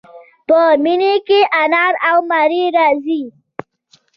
په مني کې انار او مڼې راځي.